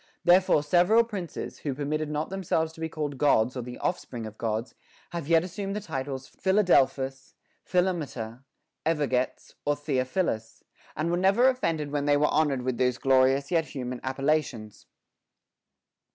Therefore several princes, who permitted not themselves to be called Gods or the offspring of the Gods, have yet assumed the titles Philadelphus, Philometor, Evergetes, or Theophilns ; and were never offended when they were honored with those glorious yet human appellations.